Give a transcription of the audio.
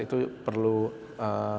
itu perlu kapasitas hardware yang sangat besar